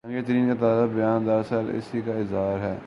جہانگیر ترین کا تازہ بیان دراصل اسی کا اظہار ہے۔